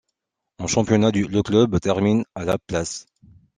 En championnat le club termine à la place.